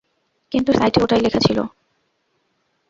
কিন্তু সাইটে ওটাই লেখা ছিল।